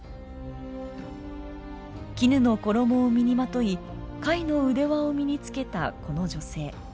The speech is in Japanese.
絹の衣を身にまとい貝の腕輪を身につけたこの女性。